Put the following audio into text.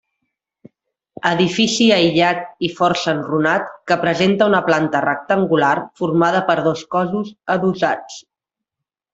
Edifici aïllat i força enrunat que presenta una planta rectangular formada per dos cossos adossats.